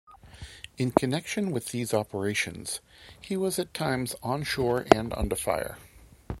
In connection with these operations, he was at times on shore and under fire.